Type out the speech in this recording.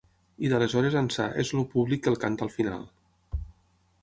I d’aleshores ençà és el públic que el canta al final.